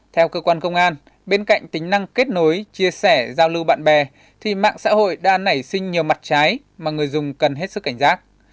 theo cơ quan công an bên cạnh tính năng kết nối chia sẻ giao lưu bạn bè thì mạng xã hội đã nảy sinh nhiều mặt trái mà người dùng cần hết sức cảnh giác